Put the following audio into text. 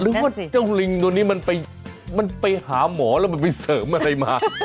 ว่าเจ้าลิงตัวนี้มันไปหาหมอแล้วมันไปเสริมอะไรมา